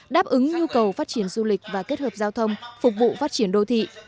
đáp ứng nhu cầu phát triển du lịch và kết hợp giao thông phục vụ phát triển đô thị